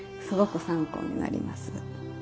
すごく参考になります。